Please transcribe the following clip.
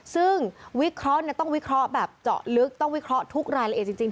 ซึ่งวิเคราะห์ต้องวิเคราะห์แบบเจาะลึกต้องวิเคราะห์ทุกรายละเอียดจริง